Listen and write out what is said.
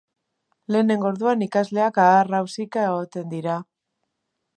Lehenengo orduan ikasleak aharrausika egoten dira.